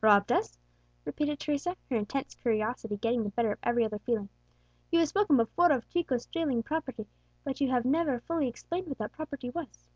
"Robbed us!" repeated Teresa, her intense curiosity getting the better of every other feeling; "you have spoken before of Chico's stealing property, but you have never fully explained what that property was."